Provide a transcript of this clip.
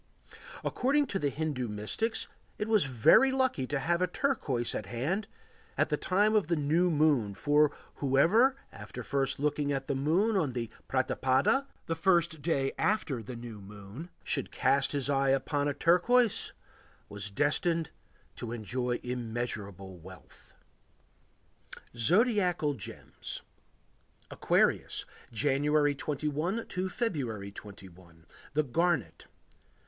According to the Hindu mystics it was very lucky to have a turquoise at hand at the time of the new moon, for whoever, after first looking at the moon on the pratipada (the first day after new moon), should cast his eyes upon a turquoise, was destined to enjoy immeasurable wealth. ZODIACAL GEMS Aquarius. January 21 to February 21. The Garnet.